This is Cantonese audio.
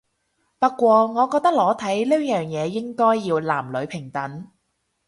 不過我覺得裸體呢樣嘢應該要男女平等